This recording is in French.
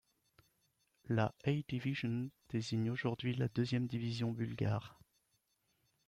La A Division désigne aujourd'hui la deuxième division bulgare.